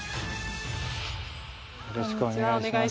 よろしくお願いします